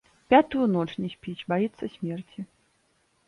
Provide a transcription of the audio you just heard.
Пятую ноч не спіць, баіцца смерці.